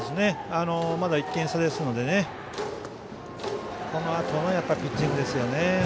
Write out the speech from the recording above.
まだ１点差ですのでこのあとのピッチングですよね。